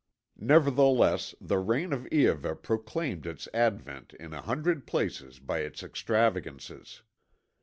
"Nevertheless, the reign of Iahveh proclaimed its advent in a hundred places by its extravagances.